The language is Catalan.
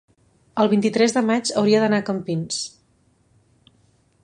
el vint-i-tres de maig hauria d'anar a Campins.